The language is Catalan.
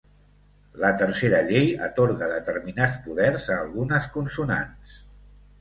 La tercera llei atorga determinats poders a algunes consonants.